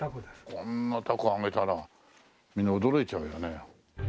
こんな凧揚げたらみんな驚いちゃうよね。